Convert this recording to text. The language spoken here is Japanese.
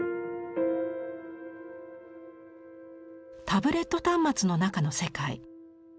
タブレット端末の中の世界。